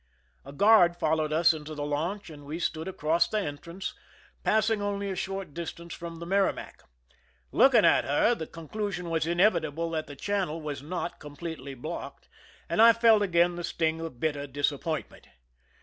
A guard followed us into the launch, and we stood across the entrance, passing only a short distance from the Merrimac. Looking at her, the conclusion was inevitable that the channel was not completely blocked, and I felt again the sting of bitter disappointment.